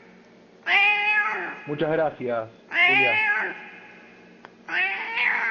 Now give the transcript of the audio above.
muchas gracias, Julia.